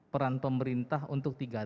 peran pemerintah untuk tiga t